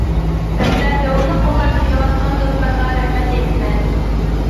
ھەمدە داۋاملىق قوللاپ كېلىۋاتقان دوستلارغا رەھمەت ئېيتىمەن.